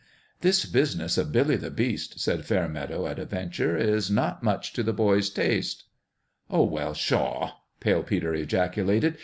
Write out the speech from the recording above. "This business of Billy the Beast," said Fairmeadow, at a venture, " is not much to the boy's taste." "Oh, well, pshaw!" Pale Peter ejaculated.